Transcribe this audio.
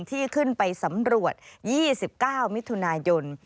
ที่ขึ้นไปสำรวจ๒๙มิถุนายน